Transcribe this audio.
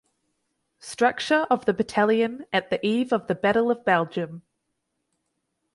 Structure of the Battalion at the eve of the Battle of Belgium